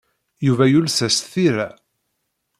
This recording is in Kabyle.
Yuba yules-as tira.